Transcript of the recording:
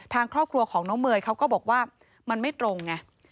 ทางครอบครัวของน้องเมย์เขาก็บอกว่ามันไม่ตรงไง